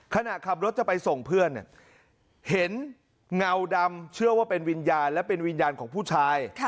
ขณะขับรถจะไปส่งเพื่อนเห็นเงาดำเชื่อว่าเป็นวิญญาณและเป็นวิญญาณของผู้ชาย